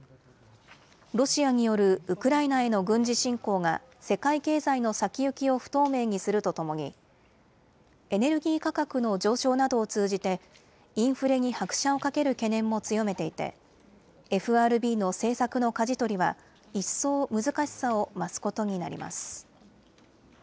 ロシアによるウクライナへの軍事侵攻が世界経済の先行きを不透明にするとともにエネルギー価格の上昇などを通じてインフレに拍車をかける懸念も強めていてＦＲＢの政策のかじ取りは一層難しさを増すことになります。